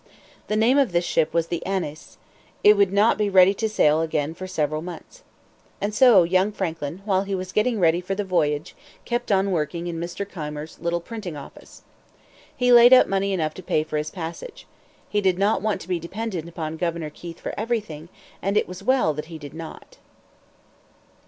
The name of this ship was the Annis. It would not be ready to sail again for several months. And so young Franklin, while he was getting ready for the voyage, kept on working in Mr. Keimer's little printing office. He laid up money enough to pay for his passage. He did not want to be dependent upon Governor Keith for everything; and it was well that he did not.